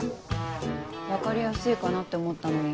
分かりやすいかなって思ったのに。